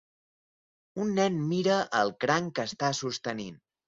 Un nen mira el cranc que està sostenint